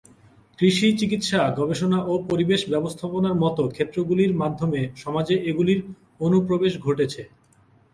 কৃষি, চিকিৎসা, গবেষণা ও পরিবেশ ব্যবস্থাপনার মতো ক্ষেত্রগুলির মাধ্যমে সমাজে এগুলির অনুপ্রবেশ ঘটেছে।